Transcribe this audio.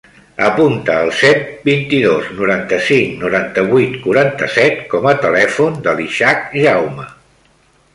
Apunta el set, vint-i-dos, noranta-cinc, noranta-vuit, quaranta-set com a telèfon de l'Ishak Jaume.